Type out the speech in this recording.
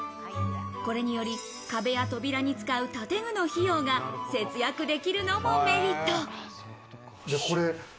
これにより、壁や扉に使う建具の費用が節約できるのもメリット。